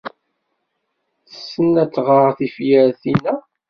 Tessen ad tɣer tifyar tinna.